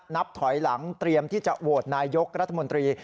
นับถอยหลังเตรียมที่จะโหวตนายกรัฐมนตรี